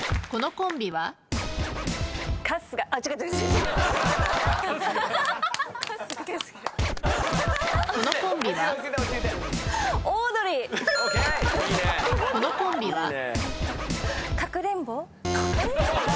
このコンビは？